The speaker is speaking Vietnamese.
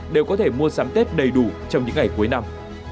đều có thể mua sắm tết đầy đủ trong những ngày cuối năm